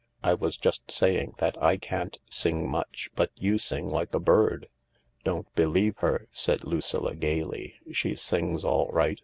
I was just saying that I can't sing much, but you sing like a bird." "Don't believe her," said Lucilla gaily ; "she sings all right.